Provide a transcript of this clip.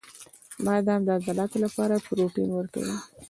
• بادام د عضلاتو لپاره پروټین ورکوي.